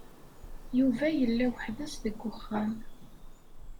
Yuba yella weḥd-s deg uxxam.